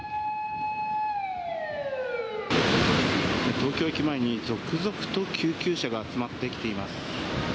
東京駅前に続々と救急車が集まってきています。